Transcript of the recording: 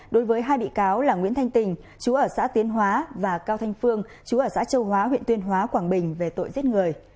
đối với hai bị cáo là nguyễn thanh tình chú ở xã tiến hóa và cao thanh phương chú ở xã châu hóa huyện tuyên hóa quảng bình về tội giết người